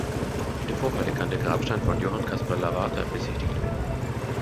In der Vorhalle kann der Grabstein von Johann Caspar Lavater besichtigt werden.